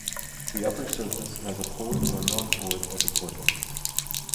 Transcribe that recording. The upper surface has a pored or non-pored epicortex.